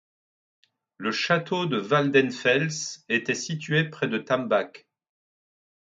Le château de Waldenfels était situé près de Tambach.